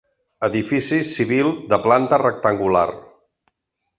Edifici civil de planta rectangular.